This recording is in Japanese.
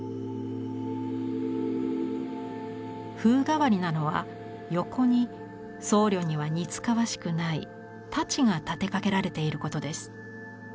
風変わりなのは横に僧侶には似つかわしくない太刀が立てかけられていることです。